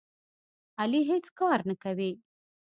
علي هېڅ کار نه کوي.